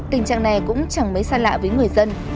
tình trạng này cũng chẳng mấy xa lạ với người dân